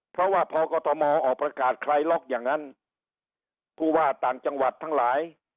เพราะว่าพอกรทมออกประกาศคลายล็อกอย่างนั้นผู้ว่าต่างจังหวัดทั้งหลาย